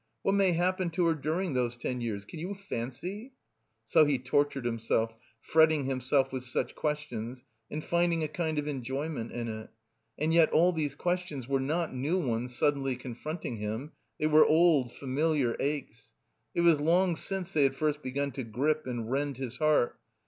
What may happen to her during those ten years? Can you fancy?" So he tortured himself, fretting himself with such questions, and finding a kind of enjoyment in it. And yet all these questions were not new ones suddenly confronting him, they were old familiar aches. It was long since they had first begun to grip and rend his heart.